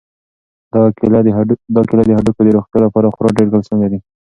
دا کیله د هډوکو د روغتیا لپاره خورا ډېر کلسیم لري.